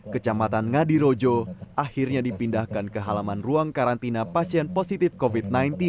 kecamatan ngadirojo akhirnya dipindahkan ke halaman ruang karantina pasien positif covid sembilan belas